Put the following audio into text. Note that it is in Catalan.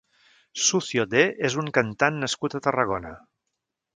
Sucio D és un cantant nascut a Tarragona.